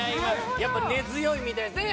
やっぱ根強いみたいですね